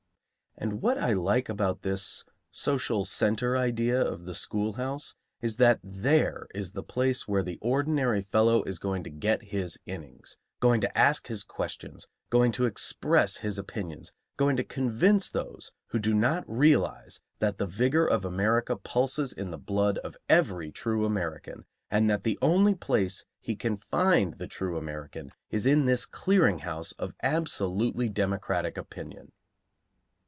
And what I like about this social centre idea of the schoolhouse is that there is the place where the ordinary fellow is going to get his innings, going to ask his questions, going to express his opinions, going to convince those who do not realize the vigor of America that the vigor of America pulses in the blood of every true American, and that the only place he can find the true American is in this clearing house of absolutely democratic opinion.